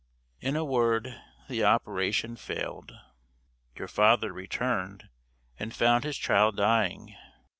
In a word, the operation failed. Your father returned, and found his child dying.